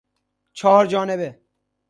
چهار جانبه